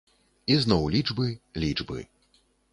І зноў лічбы, лічбы.